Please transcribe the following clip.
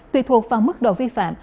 tùy thuộc vào mức độ vi phạm